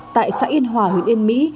tại xã yên hòa huyện yên mỹ